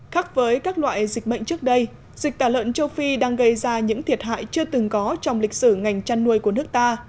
khác với các loại dịch bệnh trước đây dịch tả lợn châu phi đang gây ra những thiệt hại chưa từng có trong lịch sử ngành chăn nuôi của nước ta